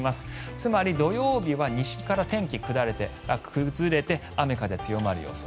つまり土曜日は西から天気、崩れて雨風強まる予想